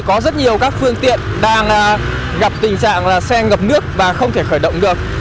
có rất nhiều các phương tiện đang gặp tình trạng là xe ngập nước và không thể khởi động được